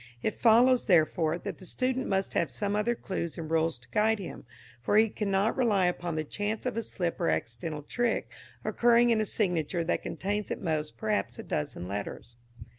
It follows, therefore, that the student must have some other clues and rules to guide him, for he cannot rely upon the chance of a slip or accidental trick occurring in a signature that contains at most perhaps a dozen letters.